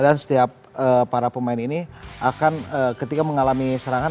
dan setiap para pemain ini ketika mengalami serangan